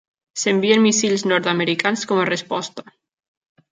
S'envien míssils nord-americans com a resposta.